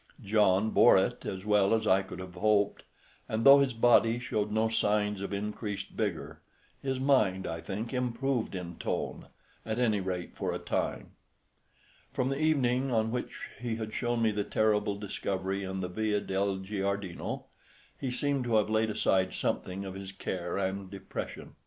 John bore it as well as I could have hoped, and though his body showed no signs of increased vigour, his mind, I think, improved in tone, at any rate for a time. From the evening on which he had shown me the terrible discovery in the Via del Giardino he seemed to have laid aside something of his care and depression.